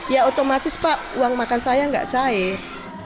ya otomatis pak uang makan saya nggak cair